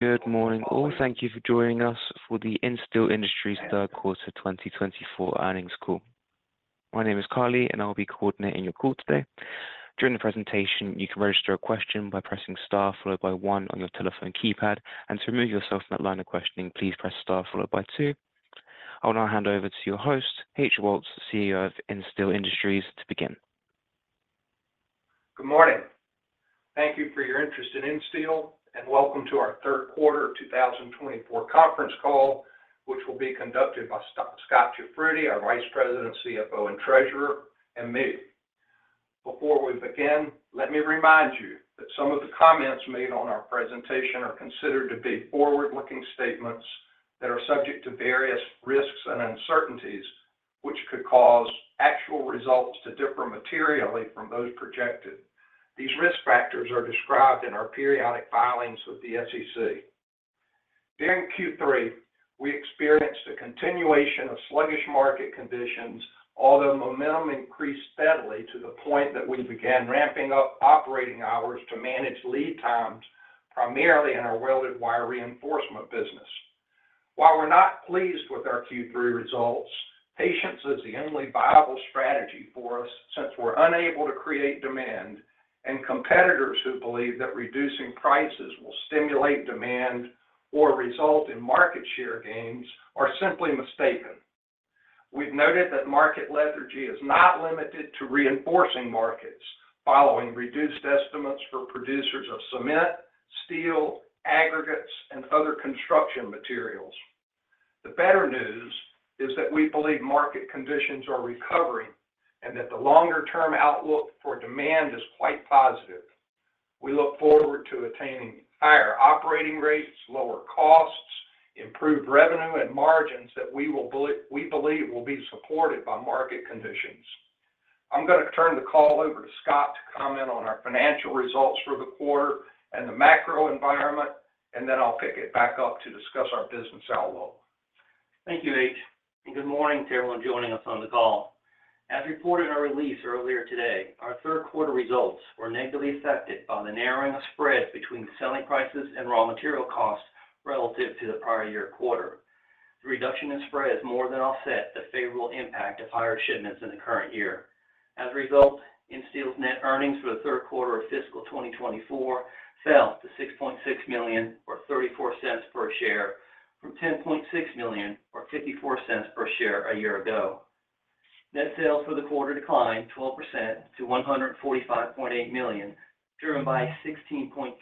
Good morning, all. Thank you for joining us for the Insteel Industries third quarter 2024 earnings call. My name is Carly, and I'll be coordinating your call today. During the presentation, you can register a question by pressing star followed by one on your telephone keypad, and to remove yourself from that line of questioning, please press star followed by two. I will now hand over to your host, H.O. Woltz III, CEO of Insteel Industries, to begin. Good morning. Thank you for your interest in Insteel, and welcome to our third quarter 2024 conference call, which will be conducted by Scot Jafroodi, our Vice President, CFO, and Treasurer, and me. Before we begin, let me remind you that some of the comments made on our presentation are considered to be forward-looking statements that are subject to various risks and uncertainties, which could cause actual results to differ materially from those projected. These risk factors are described in our periodic filings with the SEC. During Q3, we experienced a continuation of sluggish market conditions, although momentum increased steadily to the point that we began ramping up operating hours to manage lead times, primarily in our welded wire reinforcement business. While we're not pleased with our Q3 results, patience is the only viable strategy for us since we're unable to create demand, and competitors who believe that reducing prices will stimulate demand or result in market share gains are simply mistaken. We've noted that market lethargy is not limited to reinforcing markets following reduced estimates for producers of cement, steel, aggregates, and other construction materials. The better news is that we believe market conditions are recovering and that the longer-term outlook for demand is quite positive. We look forward to attaining higher operating rates, lower costs, improved revenue, and margins that we believe will be supported by market conditions. I'm going to turn the call over to Scot to comment on our financial results for the quarter and the macro environment, and then I'll pick it back up to discuss our business outlook. Thank you, H. Good morning to everyone joining us on the call. As reported in our release earlier today, our third quarter results were negatively affected by the narrowing of spreads between selling prices and raw material costs relative to the prior year quarter. The reduction in spread has more than offset the favorable impact of higher shipments in the current year. As a result, Insteel's net earnings for the third quarter of fiscal 2024 fell to $6.6 million, or $0.34 per share, from $10.6 million, or $0.54 per share a year ago. Net sales for the quarter declined 12% to $145.8 million, driven by a 16.3%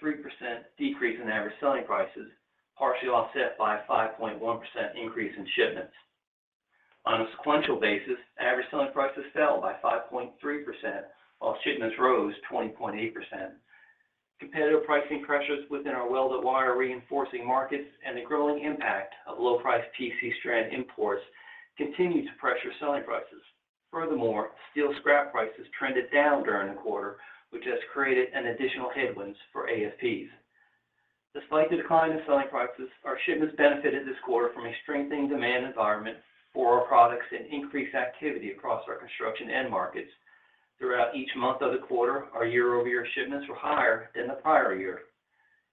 decrease in average selling prices, partially offset by a 5.1% increase in shipments. On a sequential basis, average selling prices fell by 5.3%, while shipments rose 20.8%. Competitive pricing pressures within our welded wire reinforcing markets and the growing impact of low-priced PC strand imports continued to pressure selling prices. Furthermore, steel scrap prices trended down during the quarter, which has created an additional headwinds for ASPs. Despite the decline in selling prices, our shipments benefited this quarter from a strengthening demand environment for our products and increased activity across our construction end markets. Throughout each month of the quarter, our year-over-year shipments were higher than the prior year.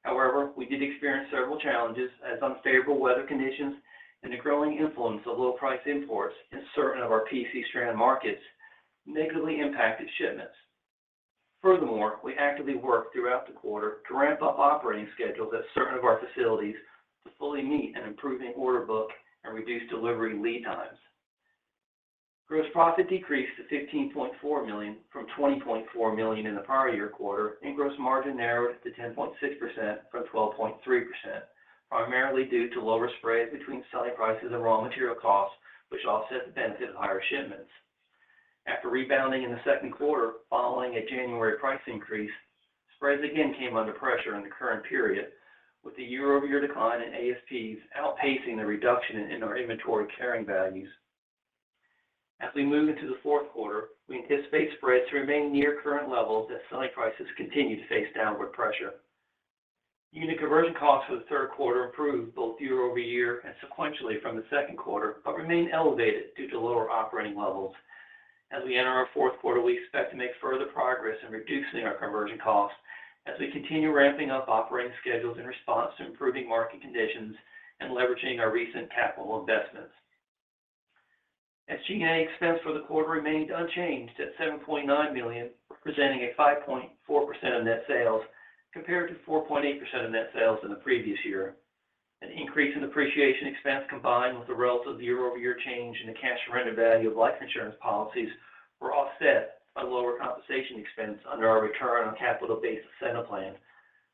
However, we did experience several challenges as unfavorable weather conditions and the growing influence of low-price imports in certain of our PC strand markets negatively impacted shipments. Furthermore, we actively worked throughout the quarter to ramp up operating schedules at certain of our facilities to fully meet an improving order book and reduce delivery lead times. Gross profit decreased to $15.4 million from $20.4 million in the prior year quarter, and gross margin narrowed to 10.6% from 12.3%, primarily due to lower spreads between selling prices and raw material costs, which offset the benefit of higher shipments. After rebounding in the second quarter, following a January price increase, spreads again came under pressure in the current period, with the year-over-year decline in ASPs outpacing the reduction in our inventory carrying values. As we move into the fourth quarter, we anticipate spreads to remain near current levels as selling prices continue to face downward pressure. Unit conversion costs for the third quarter improved both year-over-year and sequentially from the second quarter, but remain elevated due to lower operating levels. As we enter our fourth quarter, we expect to make further progress in reducing our conversion costs as we continue ramping up operating schedules in response to improving market conditions and leveraging our recent capital investments. SG&A expense for the quarter remained unchanged at $7.9 million, representing 5.4% of net sales, compared to 4.8% of net sales in the previous year. An increase in depreciation expense, combined with the relative year-over-year change in the cash surrender value of life insurance policies, were offset by lower compensation expense under our return on capital-based incentive plan,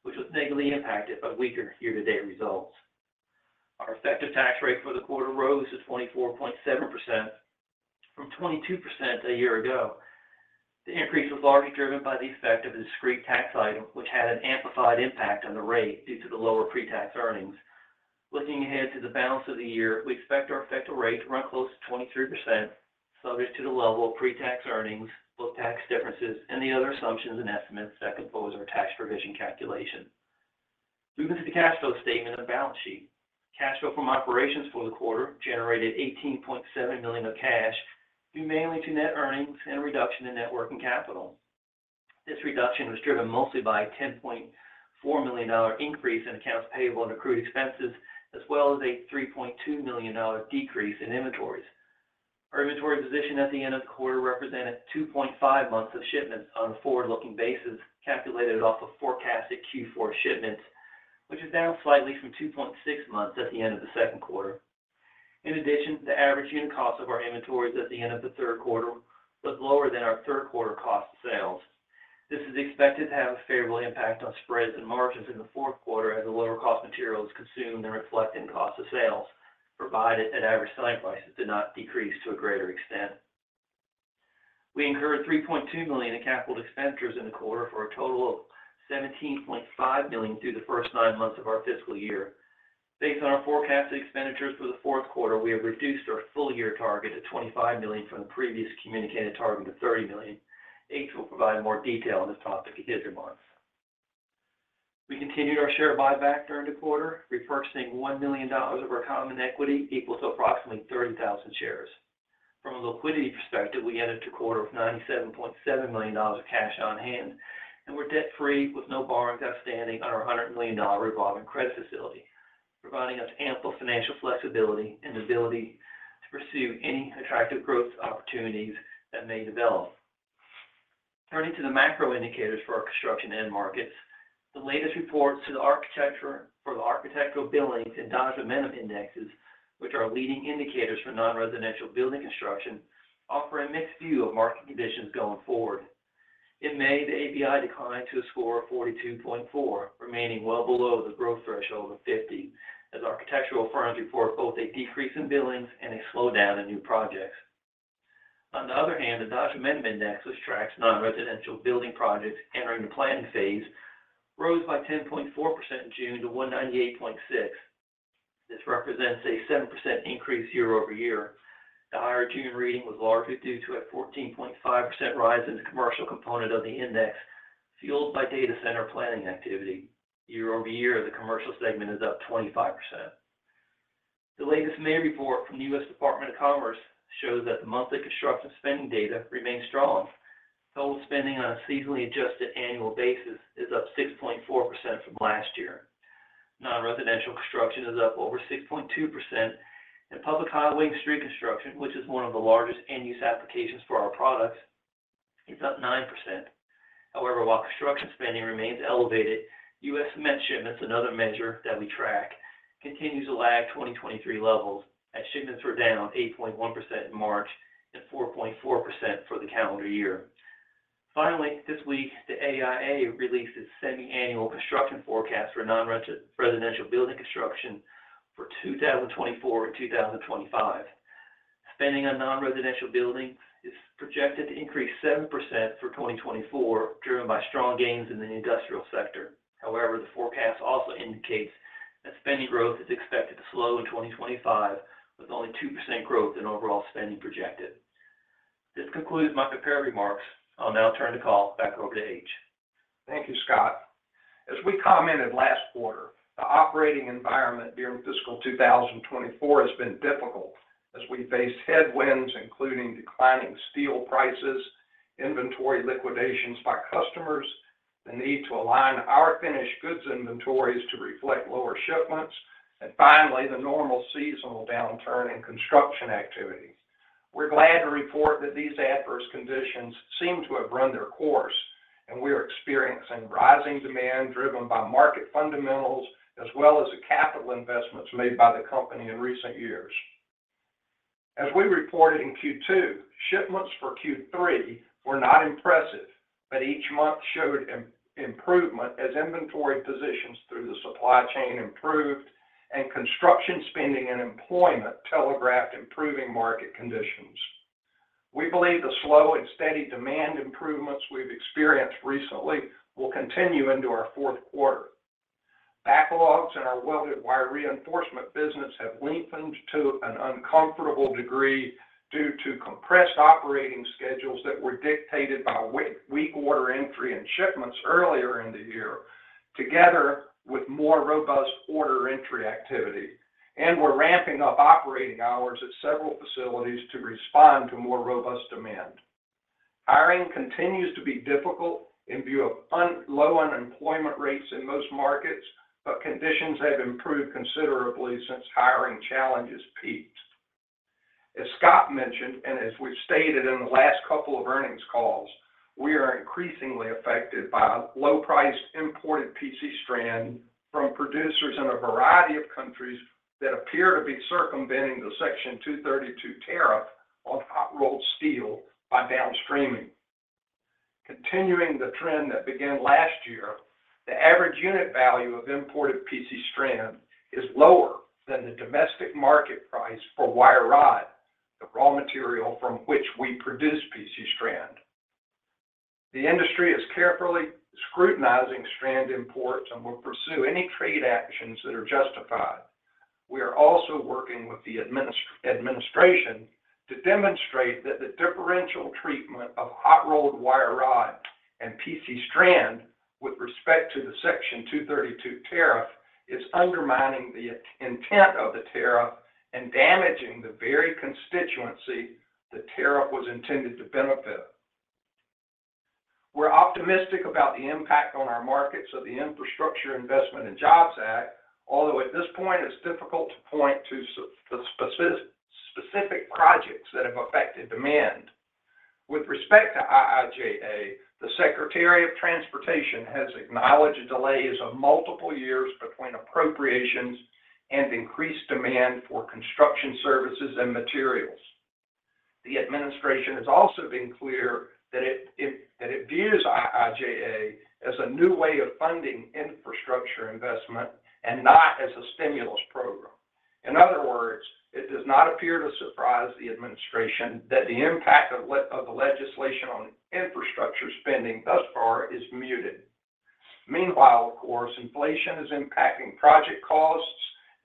which was negatively impacted by weaker year-to-date results. Our effective tax rate for the quarter rose to 24.7% from 22% a year ago. The increase was largely driven by the effect of a discrete tax item, which had an amplified impact on the rate due to the lower pre-tax earnings. Looking ahead to the balance of the year, we expect our effective rate to run close to 23%, subject to the level of pre-tax earnings, both tax differences and the other assumptions and estimates that compose our tax provision calculation. Moving to the cash flow statement and the balance sheet. Cash flow from operations for the quarter generated $18.7 million of cash, due mainly to net earnings and a reduction in net working capital. This reduction was driven mostly by a $10.4 million increase in accounts payable and accrued expenses, as well as a $3.2 million decrease in inventories. Our inventory position at the end of the quarter represented 2.5 months of shipments on a forward-looking basis, calculated off of forecasted Q4 shipments, which is down slightly from 2.6 months at the end of the second quarter. In addition, the average unit cost of our inventories at the end of the third quarter was lower than our third quarter cost of sales. This is expected to have a favorable impact on spreads and margins in the fourth quarter, as the lower cost materials consumed and reflect in cost of sales, provided that average selling prices did not decrease to a greater extent. We incurred $3.2 million in capital expenditures in the quarter, for a total of $17.5 million through the first nine months of our fiscal year. Based on our forecasted expenditures for the fourth quarter, we have reduced our full year target to $25 million from the previously communicated target of $30 million. H will provide more detail on this topic in his remarks. We continued our share buyback during the quarter, repurchasing $1 million of our common equity, equal to approximately 30,000 shares. From a liquidity perspective, we entered the quarter with $97.7 million of cash on hand, and we're debt-free, with no borrowings outstanding on our $100 million revolving credit facility, providing us ample financial flexibility and ability to pursue any attractive growth opportunities that may develop. Turning to the macro indicators for our construction end markets, the latest reports for the Architecture Billings Index and Dodge Momentum Index, which are leading indicators for non-residential building construction, offer a mixed view of market conditions going forward. In May, the ABI declined to a score of 42.4, remaining well below the growth threshold of 50, as architectural firms report both a decrease in billings and a slowdown in new projects. On the other hand, the Dodge Momentum Index, which tracks non-residential building projects entering the planning phase, rose by 10.4% in June to 198.6. This represents a 7% increase year over year. The higher June reading was largely due to a 14.5% rise in the commercial component of the index, fueled by data center planning activity. Year over year, the commercial segment is up 25%. The latest May report from the US Department of Commerce shows that the monthly construction spending data remains strong. Total spending on a seasonally adjusted annual basis is up 6.4% from last year. Non-residential construction is up over 6.2%, and public highway and street construction, which is one of the largest end-use applications for our products, is up 9%. However, while construction spending remains elevated, US cement shipments, another measure that we track, continues to lag 2023 levels, as shipments were down 8.1% in March and 4.4% for the calendar year. Finally, this week, the AIA released its semiannual construction forecast for non-residential building construction for 2024 and 2025. Spending on non-residential building is projected to increase 7% through 2024, driven by strong gains in the industrial sector. However, the forecast also indicates that spending growth is expected to slow in 2025, with only 2% growth in overall spending projected. This concludes my prepared remarks. I'll now turn the call back over to H. Thank you, Scot. As we commented last quarter, the operating environment during fiscal 2024 has been difficult as we faced headwinds, including declining steel prices, inventory liquidations by customers, the need to align our finished goods inventories to reflect lower shipments, and finally, the normal seasonal downturn in construction activity. We're glad to report that these adverse conditions seem to have run their course, and we are experiencing rising demand driven by market fundamentals, as well as the capital investments made by the Company in recent years. As we reported in Q2, shipments for Q3 were not impressive, but each month showed improvement as inventory positions through the supply chain improved and construction spending and employment telegraphed improving market conditions. We believe the slow and steady demand improvements we've experienced recently will continue into our fourth quarter. Backlogs in our welded wire reinforcement business have lengthened to an uncomfortable degree due to compressed operating schedules that were dictated by weak order entry and shipments earlier in the year, together with more robust order entry activity. We're ramping up operating hours at several facilities to respond to more robust demand. Hiring continues to be difficult in view of low unemployment rates in most markets, but conditions have improved considerably since hiring challenges peaked. As Scot mentioned, and as we've stated in the last couple of earnings calls, we are increasingly affected by low-priced, imported PC strand from producers in a variety of countries that appear to be circumventing the Section 232 tariff on hot-rolled steel by downstreaming. Continuing the trend that began last year, the average unit value of imported PC strand is lower than the domestic market price for wire rod, the raw material from which we produce PC strand. The industry is carefully scrutinizing strand imports and will pursue any trade actions that are justified. We are also working with the administration to demonstrate that the differential treatment of hot-rolled wire rod and PC strand with respect to the Section 232 tariff is undermining the intent of the tariff and damaging the very constituency the tariff was intended to benefit. We're optimistic about the impact on our markets of the Infrastructure Investment and Jobs Act, although at this point, it's difficult to point to the specific projects that have affected demand. With respect to IIJA, the Secretary of Transportation has acknowledged delays of multiple years between appropriations and increased demand for construction services and materials. The administration has also been clear that it views IIJA as a new way of funding infrastructure investment and not as a stimulus program. In other words, it does not appear to surprise the administration that the impact of the legislation on infrastructure spending thus far is muted. Meanwhile, of course, inflation is impacting project costs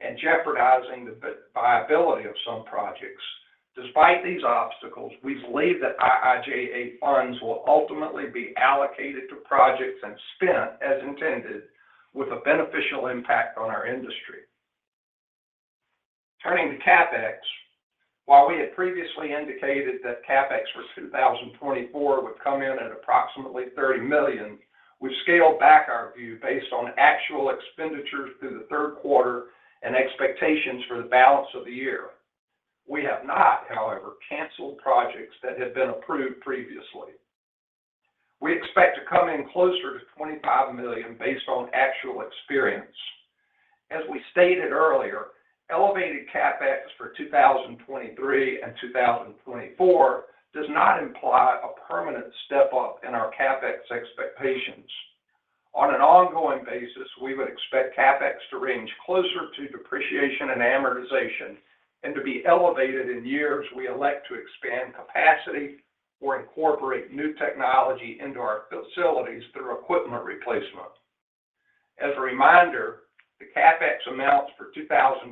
and jeopardizing the viability of some projects. Despite these obstacles, we believe that IIJA funds will ultimately be allocated to projects and spent as intended, with a beneficial impact on our industry. Turning to CapEx, while we had previously indicated that CapEx for 2024 would come in at approximately $30 million, we've scaled back our view based on actual expenditures through the third quarter and expectations for the balance of the year. We have not, however, canceled projects that had been approved previously. We expect to come in closer to $25 million based on actual experience. As we stated earlier, elevated CapEx for 2023 and 2024 does not imply a permanent step-up in our CapEx expectations. On an ongoing basis, we would expect CapEx to range closer to depreciation and amortization, and to be elevated in years we elect to expand capacity or incorporate new technology into our facilities through equipment replacement. As a reminder, the CapEx amounts for 2023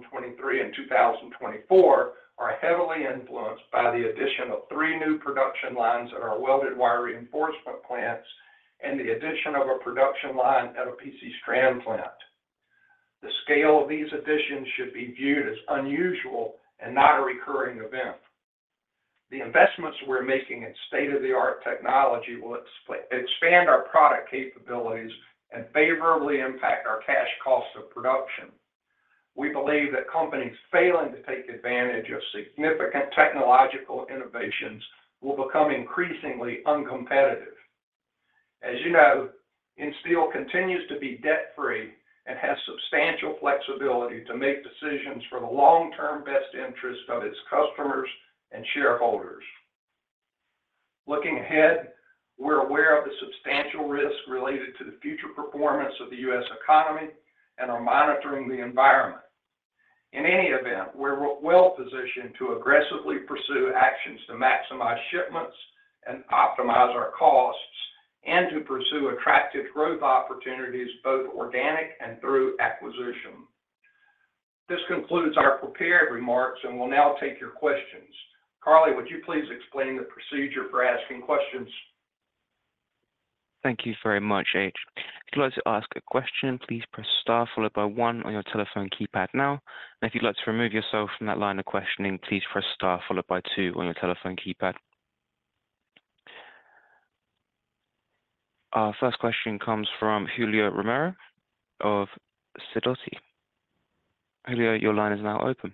and 2024 are heavily influenced by the addition of three new production lines at our welded wire reinforcement plants and the addition of a production line at a PC strand plant. The scale of these additions should be viewed as unusual and not a recurring event. The investments we're making in state-of-the-art technology will expand our product capabilities and favorably impact our cash cost of production. We believe that companies failing to take advantage of significant technological innovations will become increasingly uncompetitive. As you know, Insteel continues to be debt-free and has substantial flexibility to make decisions for the long-term best interest of its customers and shareholders. Looking ahead, we're aware of the substantial risk related to the future performance of the U.S. economy and are monitoring the environment. In any event, we're well-positioned to aggressively pursue actions to maximize shipments and optimize our costs, and to pursue attractive growth opportunities, both organic and through acquisition. This concludes our prepared remarks, and we'll now take your questions. Carly, would you please explain the procedure for asking questions? Thank you very much, H. If you'd like to ask a question, please press star followed by one on your telephone keypad now. And if you'd like to remove yourself from that line of questioning, please press star followed by two on your telephone keypad. Our first question comes from Julio Romero of Sidoti. Julio, your line is now open.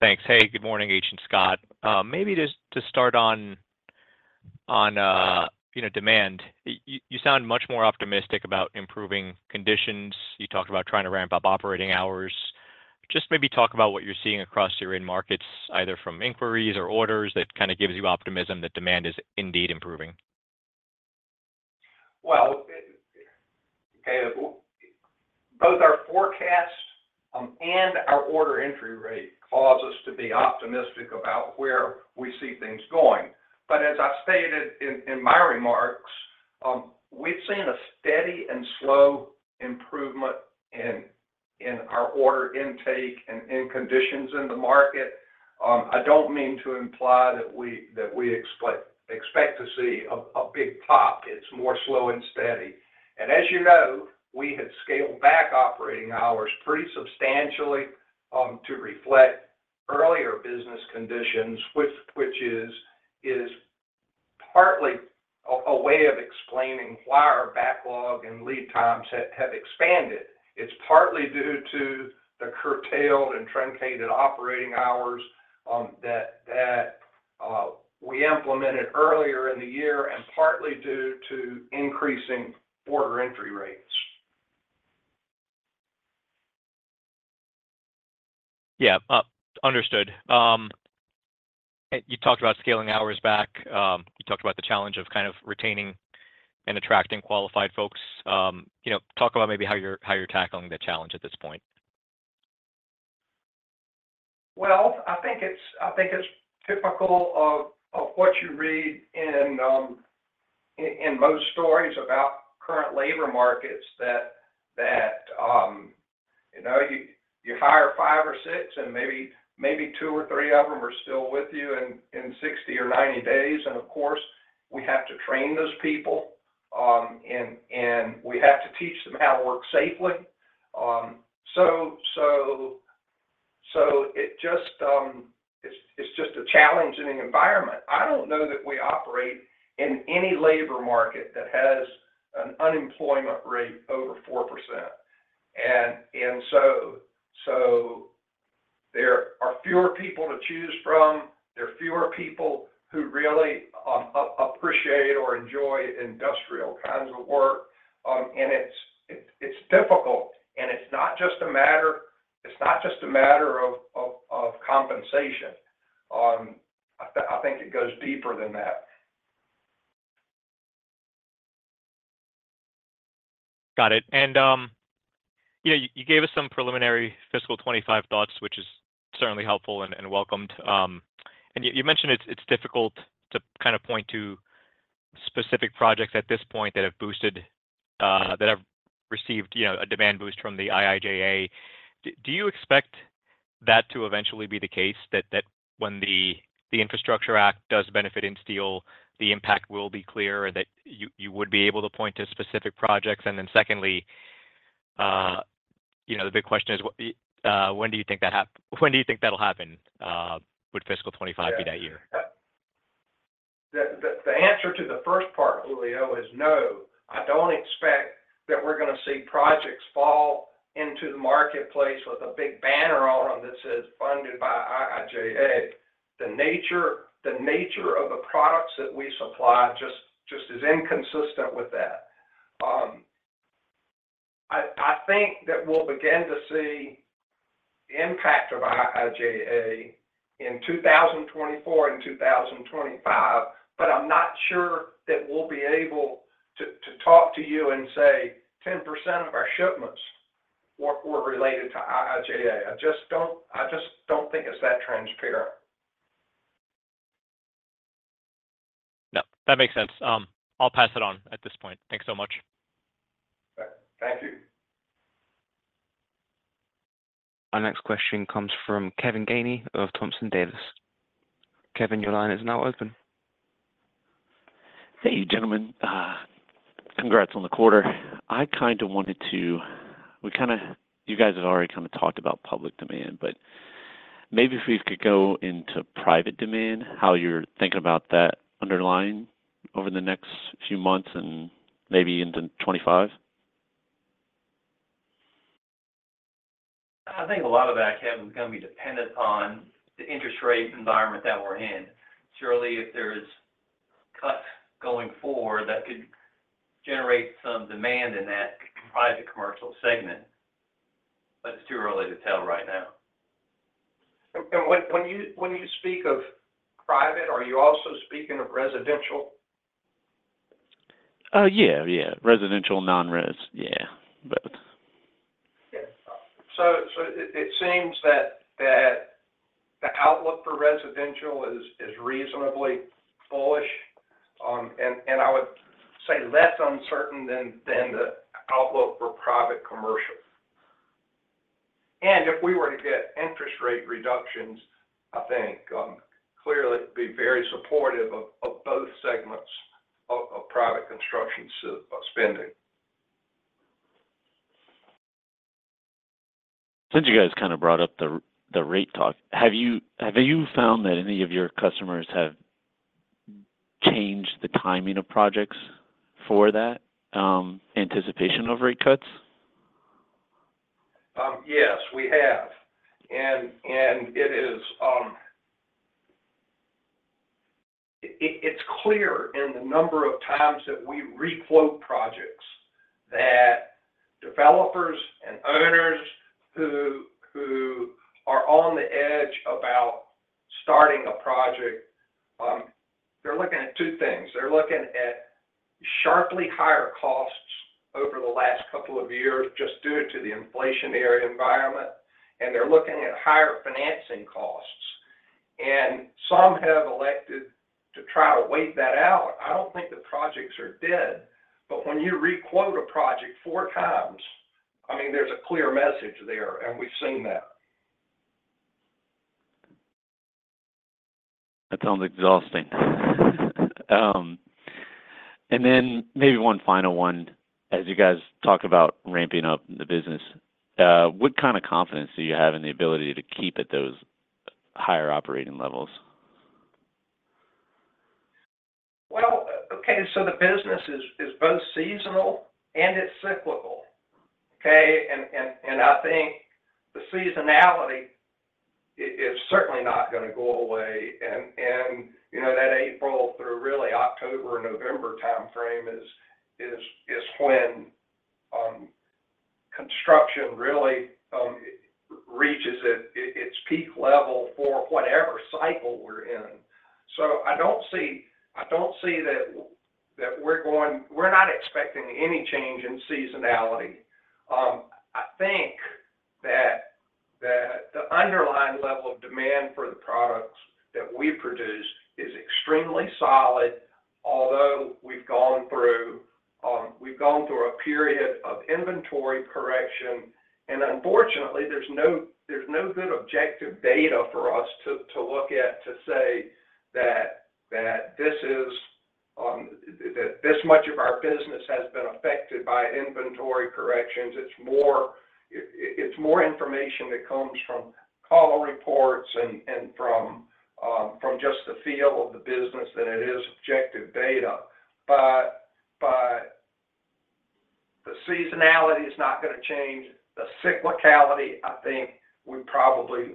Thanks. Hey, good morning, H. and Scot. Maybe just to start on, you know, demand. You sound much more optimistic about improving conditions. You talked about trying to ramp up operating hours. Just maybe talk about what you're seeing across your end markets, either from inquiries or orders, that kind of gives you optimism that demand is indeed improving. Well, okay. Both our forecast and our order entry rate cause us to be optimistic about where we see things going. But as I stated in my remarks, we've seen a steady and slow improvement in our order intake and in conditions in the market. I don't mean to imply that we expect to see a big pop. It's more slow and steady. And as you know, we had scaled back operating hours pretty substantially to reflect earlier business conditions, which is partly a way of explaining why our backlog and lead times have expanded. It's partly due to the curtailed and truncated operating hours that we implemented earlier in the year, and partly due to increasing order entry rates. Yeah. Understood. You talked about scaling hours back. You talked about the challenge of kind of retaining and attracting qualified folks. You know, talk about maybe how you're, how you're tackling that challenge at this point. Well, I think it's, I think it's typical of, of what you read in, in most stories about current labor markets that, that, you know, you, you hire 5 or 6, and maybe, maybe 2 or 3 of them are still with you in, in 60 or 90 days. And of course, we have to train those people, and, and we have to teach them how to work safely. So, so, so it just, it's, it's just a challenging environment. I don't know that we operate in any labor market that has an unemployment rate over 4%. And, and so, so there are fewer people to choose from. There are fewer people who really, appreciate or enjoy industrial kinds of work. It's difficult, and it's not just a matter of compensation. I think it goes deeper than that. Got it. And yeah, you gave us some preliminary fiscal 25 thoughts, which is certainly helpful and welcomed. And you mentioned it's difficult to kind of point to specific projects at this point that have received, you know, a demand boost from the IIJA. Do you expect that to eventually be the case, that when the Infrastructure Act does benefit in steel, the impact will be clear, or that you would be able to point to specific projects? And then secondly, you know, the big question is, when do you think that'll happen? Would fiscal 25 be that year? The answer to the first part, Julio, is no. I don't expect that we're gonna see projects fall into the marketplace with a big banner on them that says, "Funded by IIJA." The nature of the products that we supply just is inconsistent with that. I think that we'll begin to see the impact of IIJA in 2024 and 2025, but I'm not sure that we'll be able to talk to you and say, 10% of our shipments were related to IIJA. I just don't think it's that transparent. No, that makes sense. I'll pass it on at this point. Thanks so much. Thank you. Our next question comes from Kevin Gainey of Thompson Davis. Kevin, your line is now open. Thank you, gentlemen. Congrats on the quarter. I kind of wanted to, you guys have already kind of talked about public demand, but maybe if we could go into private demand, how you're thinking about that underlying over the next few months and maybe into 2025? I think a lot of that, Kevin, is gonna be dependent on the interest rate environment that we're in. Surely, if there's cuts going forward, that could generate some demand in that private commercial segment, but it's too early to tell right now. And when you speak of private, are you also speaking of residential? Yeah, yeah. Residential, non-res, yeah, both. Yeah. So it seems that the outlook for residential is reasonably bullish, and I would say less uncertain than the outlook for private commercial. And if we were to get interest rate reductions, I think clearly be very supportive of both segments of private construction such spending. Since you guys kind of brought up the rate talk, have you found that any of your customers have changed the timing of projects for that anticipation of rate cuts? Yes, we have, and it is. It's clear in the number of times that we re-quote projects, that developers and owners who are on the edge about starting a project, they're looking at two things. They're looking at sharply higher costs over the last couple of years, just due to the inflationary environment, and they're looking at higher financing costs. And some have elected to try to wait that out. I don't think the projects are dead, but when you re-quote a project four times, I mean, there's a clear message there, and we've seen that. That sounds exhausting. And then maybe one final one, as you guys talk about ramping up the business, what kind of confidence do you have in the ability to keep at those higher operating levels? Well, okay, so the business is both seasonal and it's cyclical, okay? And I think the seasonality is certainly not gonna go away. And, you know, that April through really October or November timeframe is when construction really reaches its peak level for whatever cycle we're in. So I don't see that we're not expecting any change in seasonality. I think the underlying level of demand for the products that we produce is extremely solid, although we've gone through a period of inventory correction, and unfortunately, there's no good objective data for us to look at to say that this much of our business has been affected by inventory corrections. It's more information that comes from call reports and from just the feel of the business than it is objective data. But the seasonality is not gonna change. The cyclicality, I think we've probably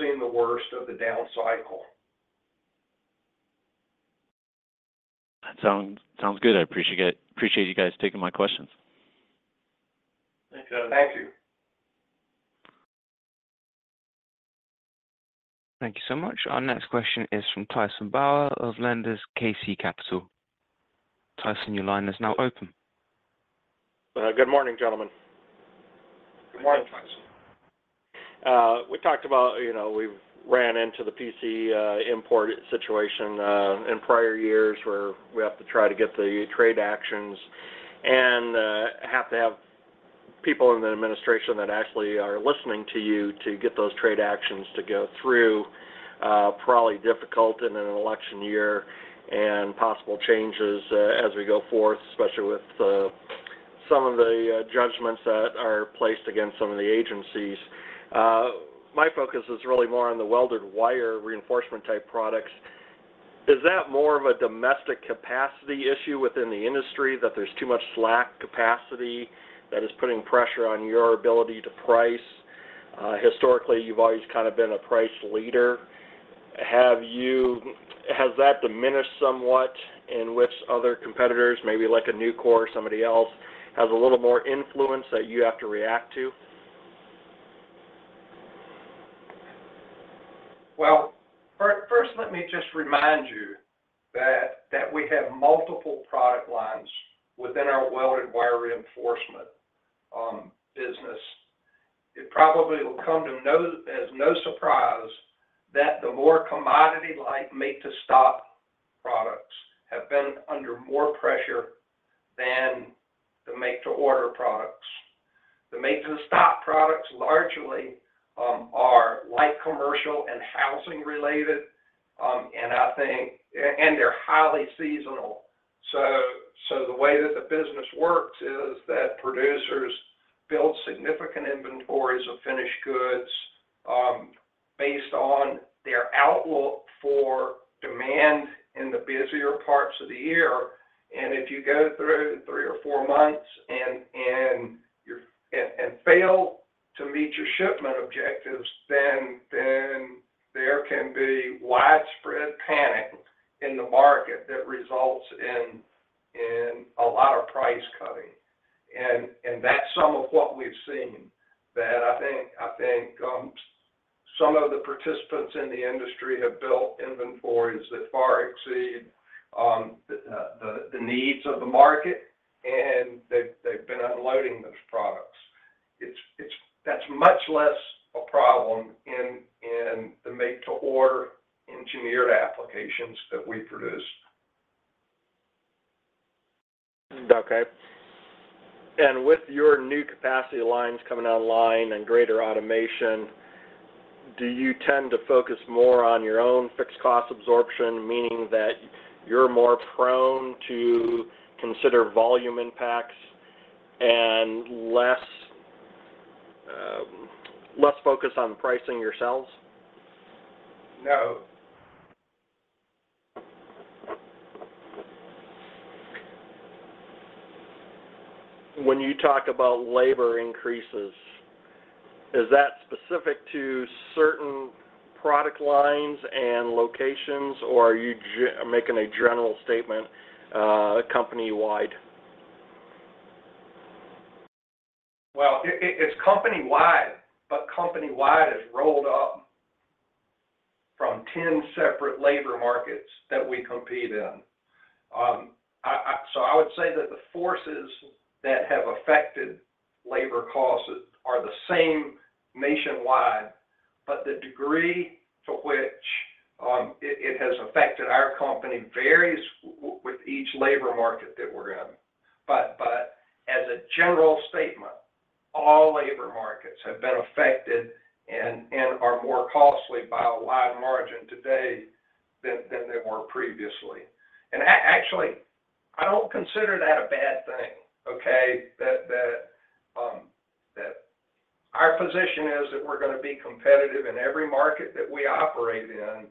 seen the worst of the down cycle. That sounds good. I appreciate you guys taking my questions. Thanks, guys. Thank you. Thank you so much. Our next question is from Tyson Bauer of KC Capital. Tyson, your line is now open. Good morning, gentlemen. Good morning, Tyson. We talked about, you know, we've ran into the PC import situation in prior years, where we have to try to get the trade actions and have to have people in the administration that actually are listening to you to get those trade actions to go through. Probably difficult in an election year and possible changes as we go forth, especially with some of the judgments that are placed against some of the agencies. My focus is really more on the welded wire reinforcement-type products. Is that more of a domestic capacity issue within the industry, that there's too much slack capacity that is putting pressure on your ability to price? Historically, you've always kind of been a price leader. Has that diminished somewhat in which other competitors, maybe like a Nucor or somebody else, has a little more influence that you have to react to? Well, first let me just remind you that we have multiple product lines within our welded wire reinforcement business. It probably will come as no surprise that the more commodity-like make-to-stock products have been under more pressure than the make-to-order products. The make-to-stock products largely are light commercial and housing-related, and I think. And they're highly seasonal. So the way that the business works is that producers build significant inventories of finished goods based on their outlook for demand in the busier parts of the year. And if you go through three or four months and fail to meet your shipment objectives, then there can be widespread panic in the market that results in a lot of price cutting. And that's some of what we've seen, that I think some of the participants in the industry have built inventories that far exceed the needs of the market, and they've been unloading those products. It's. That's much less a problem in the make-to-order engineered applications that we produce. Okay. And with your new capacity lines coming online and greater automation, do you tend to focus more on your own fixed cost absorption, meaning that you're more prone to consider volume impacts and less, less focus on pricing yourselves? No. When you talk about labor increases, is that specific to certain product lines and locations, or are you making a general statement, company-wide? Well, it's company-wide, but company-wide is rolled up from 10 separate labor markets that we compete in. So I would say that the forces that have affected labor costs are the same nationwide, but the degree to which it has affected our company varies with each labor market that we're in. But as a general statement, all labor markets have been affected and are more costly by a wide margin today than they were previously. And actually, I don't consider that a bad thing, okay? That our position is that we're gonna be competitive in every market that we operate in,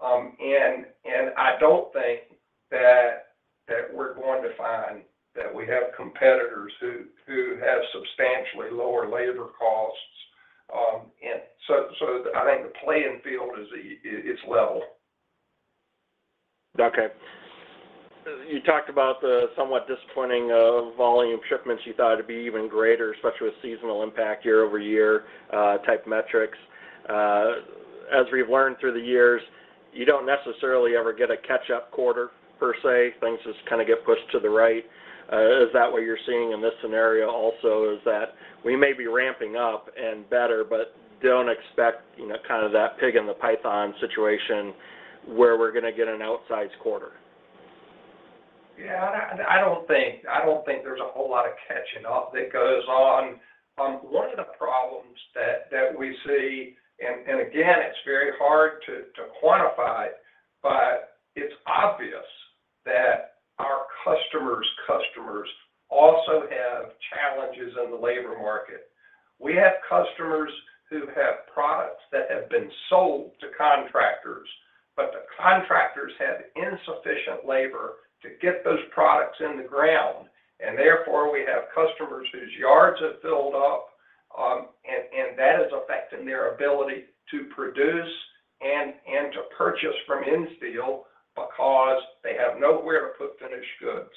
and I don't think that we're going to find that we have competitors who have substantially lower labor costs. And so I think the playing field is, it's level. Okay. You talked about the somewhat disappointing volume shipments. You thought it'd be even greater, especially with seasonal impact year-over-year type metrics. As we've learned through the years, you don't necessarily ever get a catch-up quarter per se. Things just kind of get pushed to the right. Is that what you're seeing in this scenario also, is that we may be ramping up and better, but don't expect, you know, kind of that pig in the python situation where we're gonna get an outsized quarter? Yeah, I don't think there's a whole lot of catching up that goes on. One of the problems that we see, and again, it's very hard to quantify, but it's obvious that our customers' customers also have challenges in the labor market. We have customers who have products that have been sold to contractors, but the contractors have insufficient labor to get those products in the ground, and therefore, we have customers whose yards have filled up, and that is affecting their ability to produce and to purchase from Insteel because they have nowhere to put finished goods.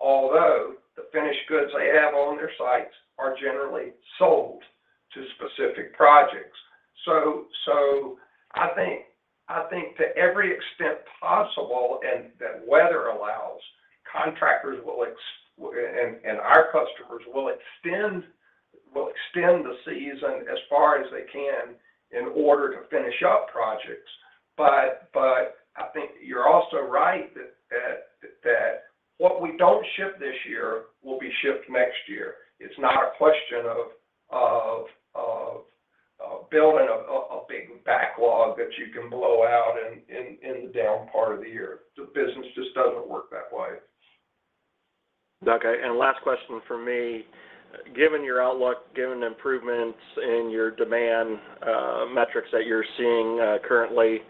Although, the finished goods they have on their sites are generally sold to specific projects. So I think to every extent possible, and that weather allows, contractors will extend, and our customers will extend the season as far as they can in order to finish up projects. But I think you're also right that what we don't ship this year will be shipped next year. It's not a question of building a big backlog that you can blow out in the down part of the year. The business just doesn't work that way. Okay, and last question from me. Given your outlook, given the improvements in your demand metrics that you're seeing currently,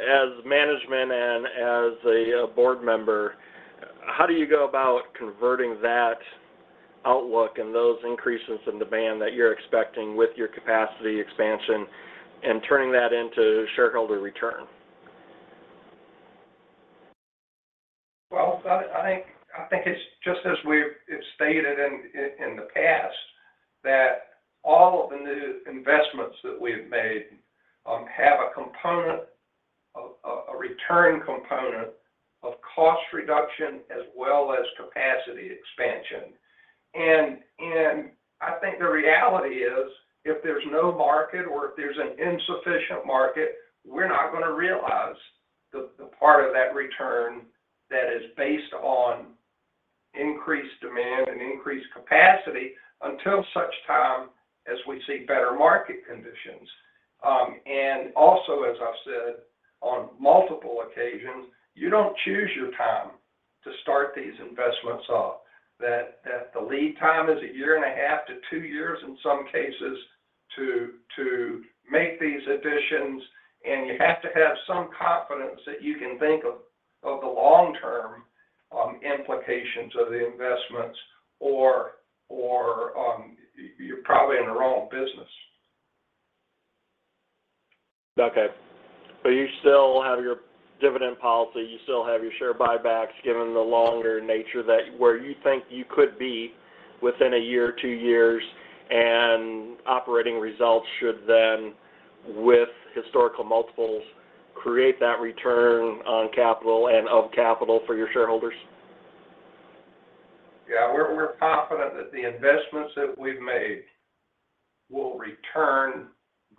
as management and as a board member, how do you go about converting that outlook and those increases in demand that you're expecting with your capacity expansion and turning that into shareholder return? Well, I think it's just as we've stated in the past, that all of the new investments that we've made have a component, a return component of cost reduction as well as capacity expansion. And I think the reality is, if there's no market or if there's an insufficient market, we're not gonna realize the part of that return that is based on increased demand and increased capacity until such time as we see better market conditions. And also, as I've said on multiple occasions, you don't choose your time to start these investments off. That the lead time is 1.5-2 years, in some cases, to make these additions, and you have to have some confidence that you can think of the long-term implications of the investments, or you're probably in the wrong business. Okay. So you still have your dividend policy, you still have your share buybacks, given the longer nature that where you think you could be within a year or two years, and operating results should then, with historical multiples, create that return on capital and of capital for your shareholders? Yeah, we're, we're confident that the investments that we've made will return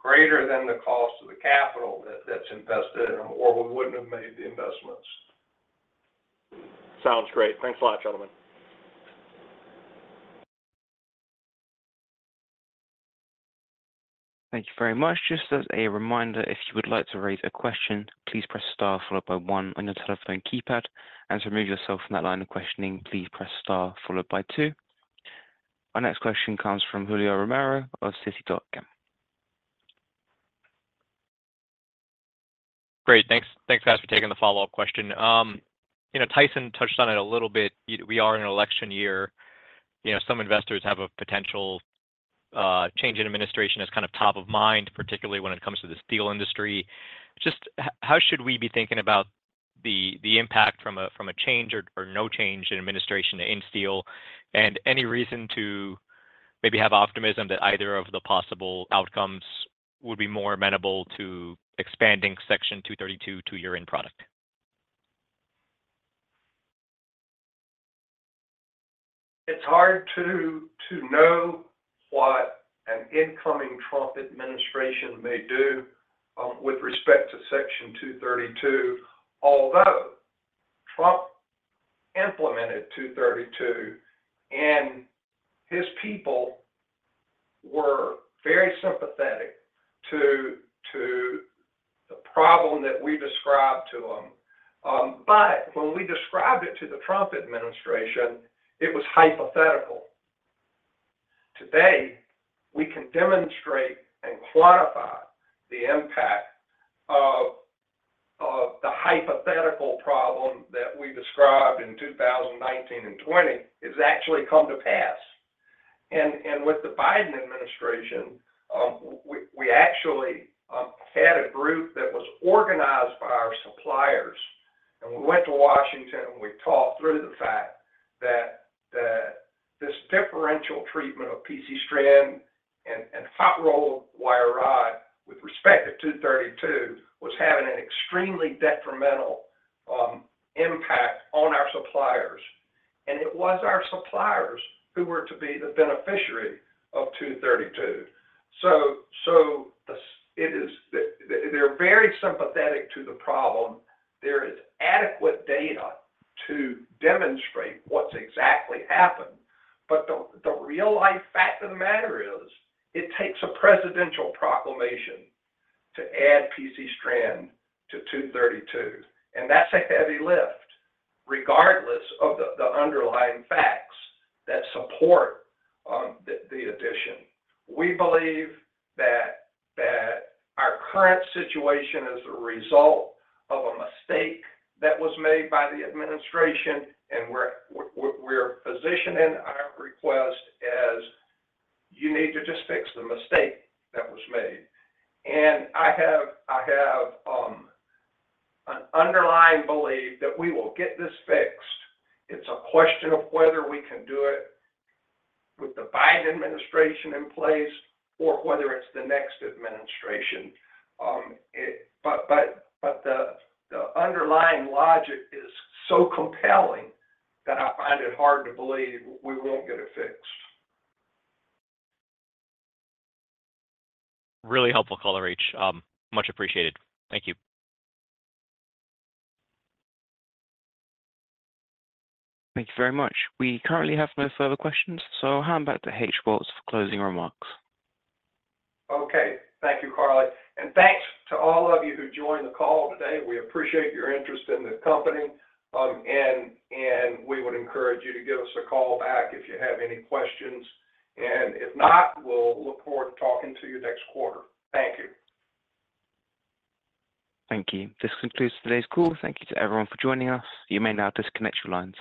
greater than the cost of the capital that, that's invested in them, or we wouldn't have made the investments. Sounds great. Thanks a lot, gentlemen. Thank you very much. Just as a reminder, if you would like to raise a question, please press Star followed by one on your telephone keypad, and to remove yourself from that line of questioning, please press Star followed by two. Our next question comes from Julio Romero of Sidoti & Company. Great, thanks. Thanks, guys, for taking the follow-up question. You know, Tyson touched on it a little bit. We are in an election year. You know, some investors have a potential change in administration as kind of top of mind, particularly when it comes to the steel industry. Just how should we be thinking about the impact from a change or no change in administration in steel? And any reason to maybe have optimism that either of the possible outcomes would be more amenable to expanding Section 232 to your end product? It's hard to know what an incoming Trump administration may do with respect to Section 232. Although Trump implemented 232, and his people were very sympathetic to the problem that we described to them. But when we described it to the Trump administration, it was hypothetical. Today, we can demonstrate and quantify the impact of the hypothetical problem that we described in 2019 and 2020 has actually come to pass. With the Biden administration, we actually had a group that was organized by our suppliers, and we went to Washington, and we talked through the fact that this differential treatment of PC strand and hot-rolled wire rod with respect to 232 was having an extremely detrimental impact on our suppliers. And it was our suppliers who were to be the beneficiary of 232. So, they're very sympathetic to the problem. There is adequate data to demonstrate what's exactly happened, but the real-life fact of the matter is, it takes a presidential proclamation to add PC strand to 232, and that's a heavy lift, regardless of the underlying facts that support the addition. We believe that our current situation is a result of a mistake that was made by the administration, and we're positioning our request as you need to just fix the mistake that was made. And I have an underlying belief that we will get this fixed. It's a question of whether we can do it with the Biden administration in place or whether it's the next administration. But the underlying logic is so compelling that I find it hard to believe we won't get it fixed. Really helpful call, Rich. Much appreciated. Thank you. Thank you very much. We currently have no further questions, so I'll hand back to H.O. Woltz for closing remarks. Okay. Thank you, Carly. And thanks to all of you who joined the call today. We appreciate your interest in the company, and we would encourage you to give us a call back if you have any questions. And if not, we'll look forward to talking to you next quarter. Thank you. Thank you. This concludes today's call. Thank you to everyone for joining us. You may now disconnect your lines.